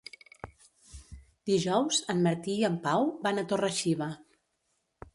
Dijous en Martí i en Pau van a Torre-xiva.